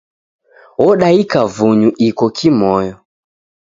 Odaika vunyu iko kimoyo.